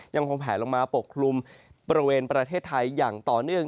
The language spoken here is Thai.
ยังคงแผลลงมาปกคลุมบริเวณประเทศไทยอย่างต่อเนื่อง